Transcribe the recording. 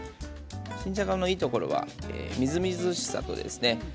新じゃがのいいところはみずみずしさですね。